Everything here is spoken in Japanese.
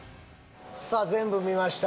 さあ全部見ました。